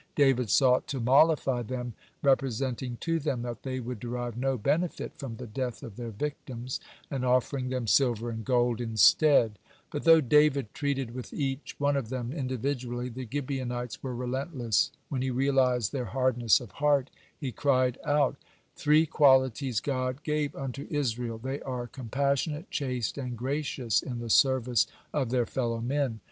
David sought to mollify them, representing to them that they would derive no benefit from the death of their victims, and offering them silver and gold instead. But though David treated with each one of them individually, the Gibeonites were relentless. When he realized their hardness of heart, he cried out: "Three qualities God gave unto Israel; they are compassionate, chaste, and gracious in the service of their fellow men.